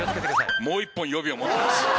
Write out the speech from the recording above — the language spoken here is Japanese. もう１本予備を持ってます。